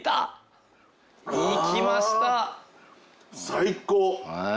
最高！